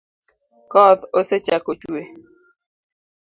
Koth osechako chue